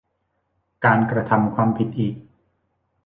การกระทำความผิดอีก